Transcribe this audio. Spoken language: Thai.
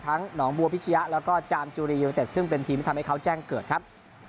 ทั้งหนองบัวพิชยะแล้วก็จามจุริยุเมตตซึ่งเป็นทีมทำให้เขาแจ้งเกิดครับ